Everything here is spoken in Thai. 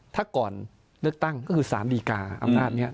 ถ้าก่อนเลือกตั้งก็คือสารดีกาอำนาจนี้